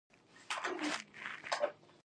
مرکزي بانکونه هڅول چې نورې پیسې چاپ کړي.